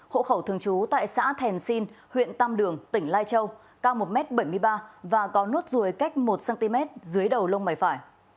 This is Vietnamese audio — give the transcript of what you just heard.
hộ khẩu thường trú tại xã thèn sinh huyện tam đường tỉnh lai châu cao một m bảy mươi ba và có nốt ruồi cách một cm dưới đầu lông mày phải